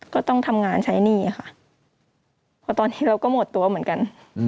ก็ต้องทำงานใช้หนี้ค่ะเพราะตอนนี้เราก็หมดตัวเหมือนกัน